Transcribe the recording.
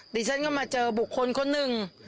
ดิฉันก็มาเจอบุคคลคนหนึ่ง